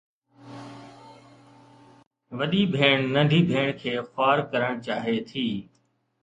وڏي ڀيڻ ننڍي ڀيڻ کي خوار ڪرڻ چاهي ٿي.